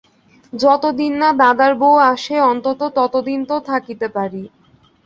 যতদিন না দাদার বউ আসে অন্তত ততদিন তো থাকিতে পারি।